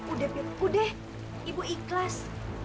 udah pitri udah ibu ikhlas